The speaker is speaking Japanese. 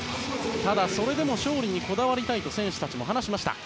ただ、それでも勝利にこだわりたいと選手たちは話しました。